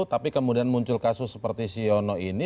tapi kemudian muncul kasus seperti siono ini